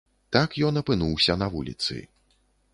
Так ён апынуўся на вуліцы.